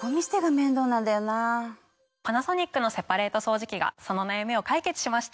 パナソニックのセパレート掃除機がその悩みを解決しました。